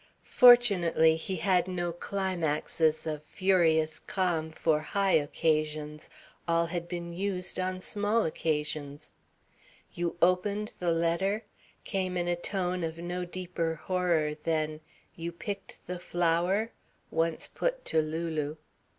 Fortunately he had no climaxes of furious calm for high occasions. All had been used on small occasions. "You opened the letter" came in a tone of no deeper horror than "You picked the flower" once put to Lulu.